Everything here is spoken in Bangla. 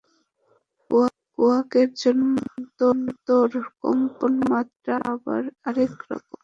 কোয়ার্কের জন্য তন্তুর কম্পন মাত্রা আবার আরেক রকম।